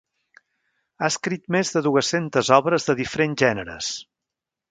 Ha escrit més de dues-centes obres de diferents gèneres.